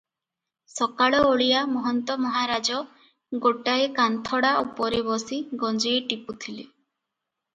ସକାଳଓଳିଆ ମହନ୍ତ ମହାରାଜ ଗୋଟାଏ କାନ୍ଥଡ଼ା ଉପରେ ବସି ଗଞ୍ଜେଇ ଟିପୁଥିଲେ ।